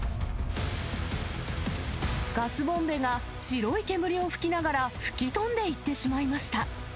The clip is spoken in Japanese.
ガスボンベが白い煙を噴きながら、吹き飛んでいってしまいました。